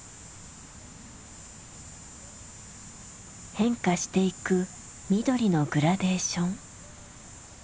変化していく緑のグラデーション。